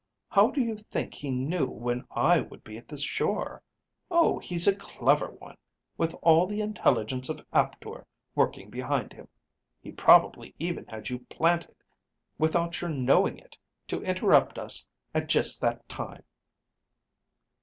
How do you think he knew when I would be at the shore? Oh, he's a clever one, with all the intelligence of Aptor working behind him. He probably even had you planted without your knowing it to interrupt us at just that time."